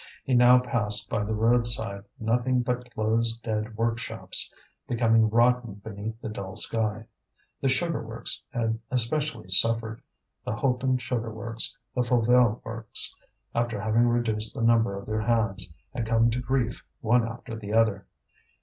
He now passed by the roadside nothing but closed dead workshops, becoming rotten beneath the dull sky. The sugar works had especially suffered: the Hoton sugar works, the Fauvelle works, after having reduced the number of their hands, had come to grief one after the other.